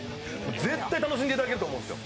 絶対楽しんでいただけると思うんですよ。